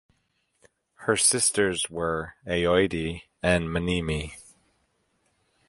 Her sisters were Aoide and Mneme.